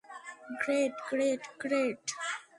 Great, great, great!